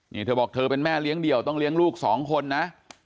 นี่เธอบอกเธอเป็นแม่เลี้ยงเดี่ยวต้องเลี้ยงลูกสองคนนะ